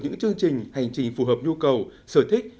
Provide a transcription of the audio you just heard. hành trình phù hợp nhu cầu sở thích